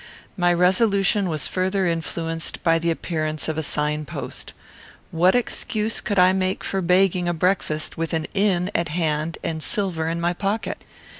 My resolution was further influenced by the appearance of a signpost. What excuse could I make for begging a breakfast with an inn at hand and silver in my pocket?